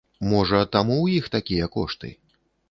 Можа, таму ў іх такія кошты.